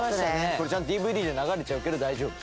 これちゃんとＤＶＤで流れちゃうけど大丈夫？